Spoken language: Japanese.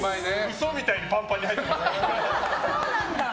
嘘みたいにパンパンに入ってますから。